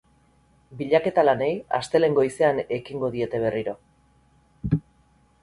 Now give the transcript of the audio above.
Bilaketa lanei astelehen goizean ekingo diete berriro.